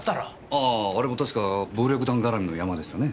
あああれも確か暴力団絡みのヤマでしたね。